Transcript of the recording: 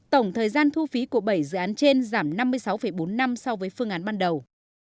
tổng thời gian thu phí của bảy dự án trên giảm năm mươi sáu bốn năm so với phương án ban đầu